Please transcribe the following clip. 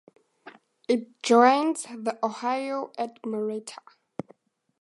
It joins the Ohio at Marietta.